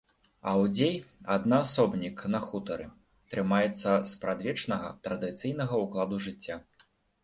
Аўдзей, аднаасобнік на хутары, трымаецца спрадвечнага, традыцыйнага ўкладу жыцця.